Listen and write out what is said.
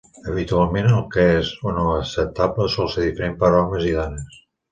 Habitualment, el que és o no acceptable sol ser diferent per homes i dones.